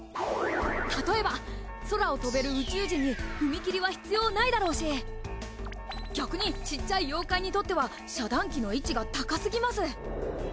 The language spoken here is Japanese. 例えば空を飛べる宇宙人に踏切は必要ないだろうし逆にちっちゃい妖怪にとっては遮断機の位置が高すぎます。